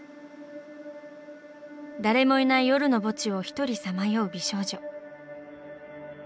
誰もいない夜の墓地を１人さまよう美少女。